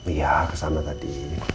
iya kesana tadi